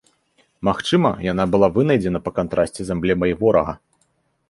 Магчыма, яна была вынайдзена па кантрасце з эмблемай ворага.